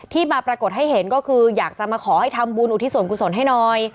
มาปรากฏให้เห็นก็คืออยากจะมาขอให้ทำบุญอุทิศส่วนกุศลให้หน่อย